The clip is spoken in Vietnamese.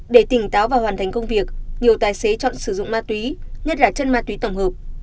để tỉnh táo và hoàn thành công việc nhiều tài xế chọn sử dụng ma túy nhất là chân ma túy tổng hợp